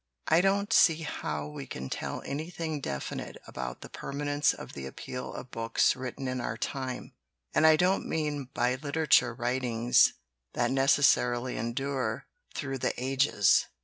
"I don't see how we can tell anything definite about the permanence of the appeal of books written in our time. And I don't mean by litera ture writings that necessarily endure through the ages.